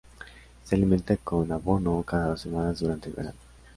Se alimenta con abono cada dos semanas durante el verano.